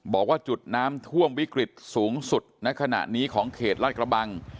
บอกว่าจุดน้ำท่วมวิกฤตสูงสุดณขณะนี้ของเขตลาดกระบัง